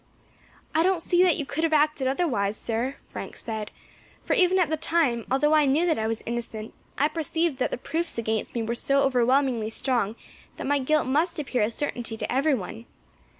"I don't see that you could have acted otherwise, sir," Frank said, "for even at the time, although I knew that I was innocent, I perceived that the proofs against me were so overwhelmingly strong that my guilt must appear a certainty to every one.